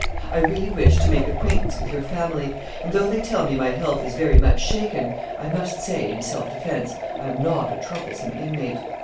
I really wish to make acquaintance with your family; and though they tell me my health is very much shaken, I must say, in self defense, I am not a troublesome inmate.